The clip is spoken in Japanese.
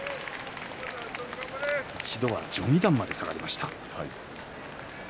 一度は序二段まで下がりました。